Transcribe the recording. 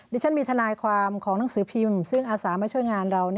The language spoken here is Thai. ดิฉันมีทนายความของหนังสือพิมพ์ซึ่งอาสามาช่วยงานเรา